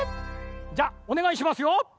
じゃおねがいしますよ。